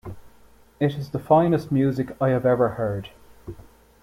It is the finest music I have ever heard.